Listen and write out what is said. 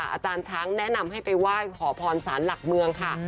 อาจารย์ช้างแนะนำให้ไปไหว้ขอพรสารหลักเมืองค่ะ